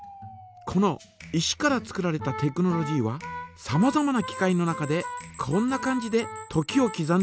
この石から作られたテクノロジーはさまざまな機械の中でこんな感じで時をきざんでいます。